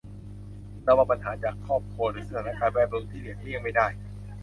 ระวังปัญหาจากครอบครัวหรือสถานการณ์แวดล้อมที่หลีกเลี่ยงไม่ได้